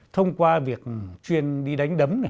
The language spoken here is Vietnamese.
thông qua việc chuyên đi đánh đấm